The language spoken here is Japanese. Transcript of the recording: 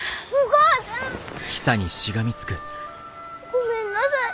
ごめんなさい。